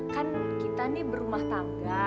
kan kita ini berumah tangga